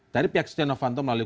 dari pihak setia novanto melalui